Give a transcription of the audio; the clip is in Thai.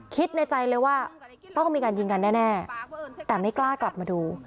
คิดในใจเลยว่าต้องมีการยิงกันแน่แต่ไม่กล้ากลับมาดู